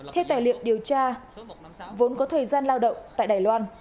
theo tài liệu điều tra vốn có thời gian lao động tại đài loan